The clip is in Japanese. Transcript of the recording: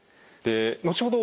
後ほど